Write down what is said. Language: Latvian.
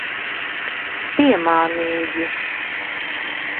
Piemānīji.